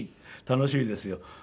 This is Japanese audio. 楽しみですよ。